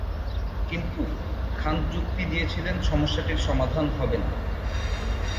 কিন্তু খান যুক্তি দিয়েছিলেন সমস্যাটির সমাধান হবে না।